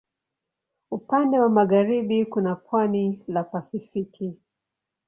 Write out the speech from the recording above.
Upande wa magharibi kuna pwani la Pasifiki.